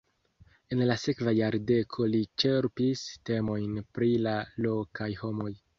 En la sekva jardeko li ĉerpis temojn pri la lokaj homoj.